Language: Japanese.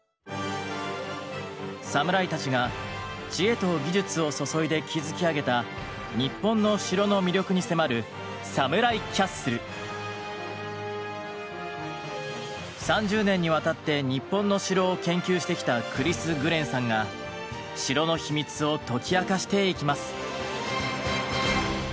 サムライたちが知恵と技術を注いで築き上げた日本の城の魅力に迫る３０年にわたって日本の城を研究してきたクリス・グレンさんが城の秘密を解き明かしていきます。